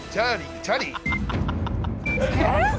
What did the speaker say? チャリ？